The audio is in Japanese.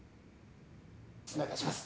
お願いします。